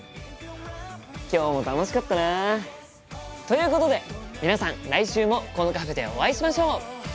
今日も楽しかったな。ということで皆さん来週もこのカフェでお会いしましょう！